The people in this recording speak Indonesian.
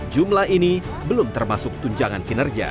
jumlah ini belum termasuk tunjangan kinerja